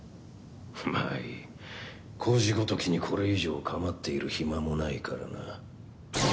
まあいい居士ごときにこれ以上かまっている暇もないからな。